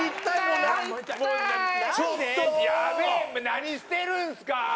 何してるんですか！